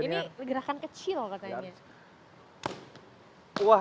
ini gerakan kecil katanya